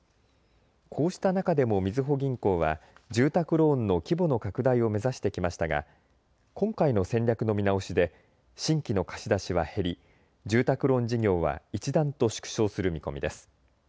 こうした中でもみずほ銀行は住宅ローンの規模の拡大を目指してきましたが今回の戦略の見直しで新規の貸し出しは減り住宅ローン事業は一段と縮小する見込みです。